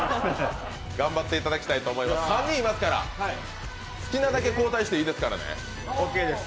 頑張っていただきたいと思います、３人いますから好きなだけ交代していいですからね。